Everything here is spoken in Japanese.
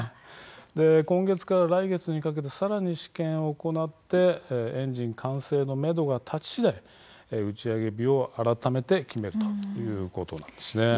今月から来月にかけてさらに試験を行ってエンジン完成の目途が立ち次第打ち上げ日を改めて決めるということなんです。